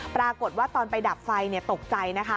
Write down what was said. ปรากฏว่าตอนไปดับไฟตกใจนะคะ